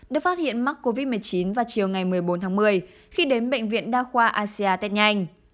được phát hiện mắc covid một mươi chín vào chiều ngày một mươi bốn tháng một mươi khi đến bệnh viện đa khoa asia test nhanh